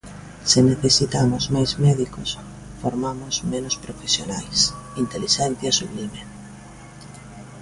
Se necesitamos máis médicos, formamos menos profesionais; intelixencia sublime.